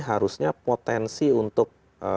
harusnya potensi untuk